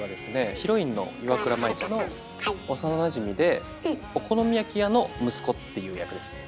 ヒロインの岩倉舞ちゃんの幼なじみでお好み焼き屋の息子っていう役です。